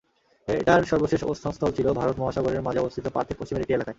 এটার সর্বশেষ অবস্থানস্থল ছিল ভারত মহাসাগরের মাঝে অবস্থিত পার্থের পশ্চিমের একটি এলাকায়।